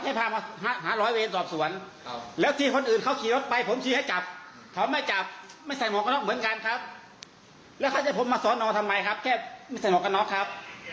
อย่าโทรนให้ฟังเลยนะครับ